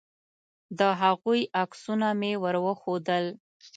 د هغوی عکسونه مې ور وښودل.